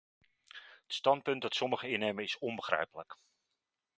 Het standpunt dat sommigen innemen, is onbegrijpelijk.